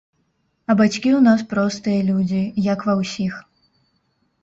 А бацькі ў нас простыя людзі, як ва ўсіх.